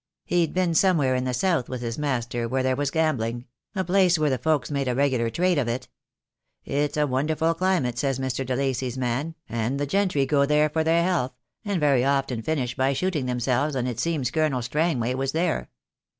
He'd been somewhere in the south with his master where there was gambling — a place where the folks make a regular trade of it. It's a wonderful climate, says Mr. de Lacy's man, and the gentry go there for their health, and very often finish by shooting themselves, and it seems Colonel Strangway was there.